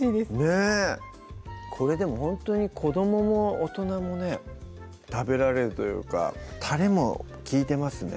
ねっこれでもほんとに子どもも大人もね食べられるというかたれも利いてますね